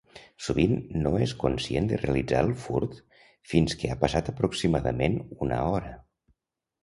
Sovint no és conscient de realitzar el furt fins que ha passat aproximadament una hora.